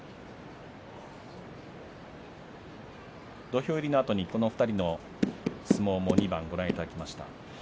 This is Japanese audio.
土俵入りのあとにこの２人の相撲も２番ご覧いただきました。